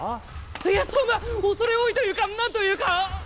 いやそんな恐れ多いというかなんというか。